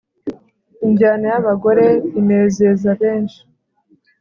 Injyana yabagore inezeza benshi